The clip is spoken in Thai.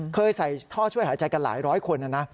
ใส่ท่อช่วยหายใจกันหลายร้อยคนนะนะ